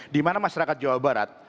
di mana masyarakat jawa barat